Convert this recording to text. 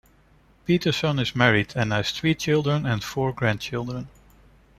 Peterson is married, and has three children and four grandchildren.